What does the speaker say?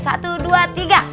satu dua tiga